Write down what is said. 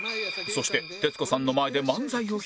そして徹子さんの前で漫才を披露